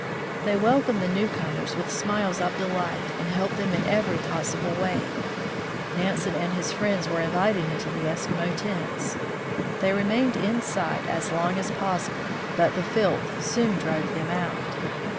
They welcomed the newcomers with smiles of delight, and helped them in every possible way. Nansen and his friends were invited into the Eskimo tents. They re mained inside as long as possible, but the filth soon drove them out.